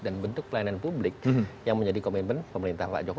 dan bentuk pelayanan publik yang menjadi komitmen pemerintah pak jokowi